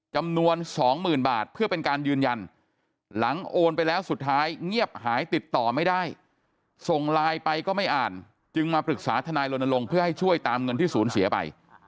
จำนวน๒๐๐๐บาทเพื่อเป็นการยืนยันหลังโอนไปแล้วสุดท้ายเงียบหายติดต่อไม่ได้ส่งไลน์ไปก็ไม่อ่านจึงมาปรึกษาทนายรณรงค์เพื่อให้ช่วยตามเงินที่ศูนย์เสียไป